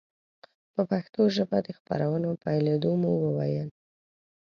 په پښتو ژبه د خپرونو پیلېدو مو وویل.